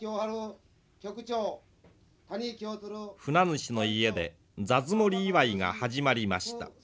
船主の家で座づもり祝いが始まりました。